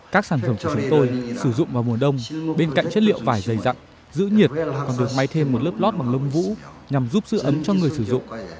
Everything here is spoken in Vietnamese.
các sản phẩm cho chúng tôi sử dụng vào mùa đông bên cạnh chất liệu vải dày dặn giữ nhiệt còn được may thêm một lớp lót bằng lông vũ nhằm giúp giữ ấm cho người sử dụng